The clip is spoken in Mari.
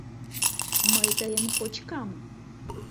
— Мый тыйым кочкам...